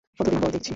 কতদিন পর দেখছি!